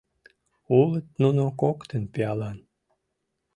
Улыт нуно коктын пиалан.